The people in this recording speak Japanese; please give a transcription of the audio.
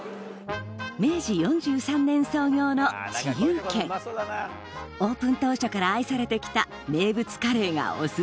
明治４３年創業のオープン当初から愛されて来た名物カレーがおすすめ